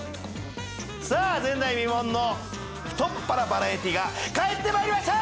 さあ前代未聞の太っ腹バラエティが帰って参りました！